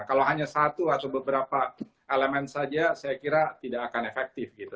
kalau hanya satu atau beberapa elemen saja saya kira tidak akan efektif gitu